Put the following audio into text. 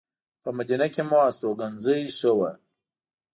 په مدینه کې مو استوګنځی ښه و.